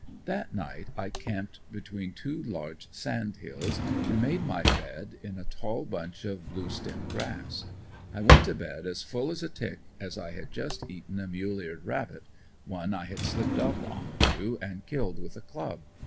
That night I camped between two large sand hills and made my bed in a tall bunch of blue stem grass. I went to bed as full as a tick, as I had just eaten a mule eared rabbit, one I had slipped up onto and killed with a club.